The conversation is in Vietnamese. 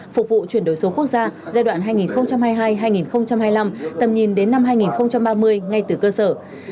phục vụ chuyển đổi số quốc gia giai đoạn hai nghìn hai mươi hai hai nghìn hai mươi năm tầm nhìn đến năm hai nghìn ba mươi ngay từ cơ sở